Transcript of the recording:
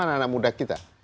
terutama anak muda kita